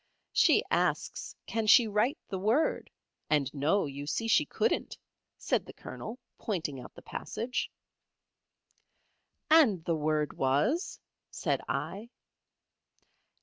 "She asks, Can she write the word? And no; you see she couldn't," said the Colonel, pointing out the passage. "And the word was?" said I.